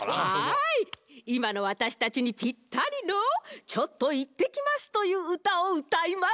はいいまのわたしたちにピッタリの「ちょっと行ってきます」といううたをうたいます。